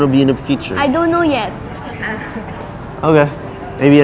ในอนาคตเราจะเห็นคุณทำอะไร